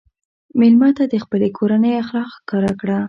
مېلمه ته د خپلې کورنۍ اخلاق ښکاره کړه.